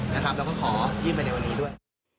เราก็ขอยิ่มในวันนี้ด้วย